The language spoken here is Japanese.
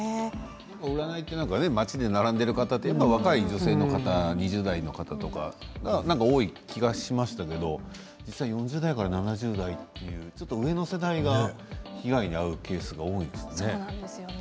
占いは町で並んでいる方若い女性の方、２０代の方が多い気がしますけれども実際、４０代から７０代というちょっと上の世代が被害に遭うケースが多いんですね。